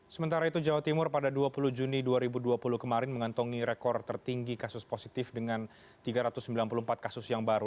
sementara itu jawa timur pada dua puluh juni dua ribu dua puluh kemarin mengantongi rekor tertinggi kasus positif dengan tiga ratus sembilan puluh empat kasus yang baru